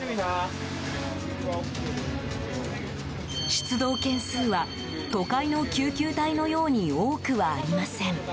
出動件数は都会の救急隊のように多くはありません。